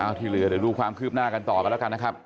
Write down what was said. เอาที่เหลือเดี๋ยวดูความคืบหน้ากันต่อกันแล้วกันนะครับ